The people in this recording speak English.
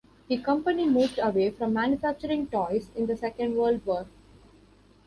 The company moved away from manufacturing toys in the Second World War.